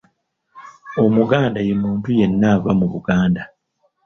Omuganda ye muntu yenna ava mu Buganda.